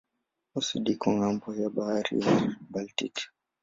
Uswidi iko ng'ambo ya bahari ya Baltiki.